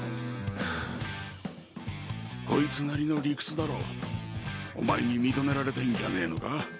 ふぅこいつなりの理屈だろお前に認められたいんじゃねぇのか？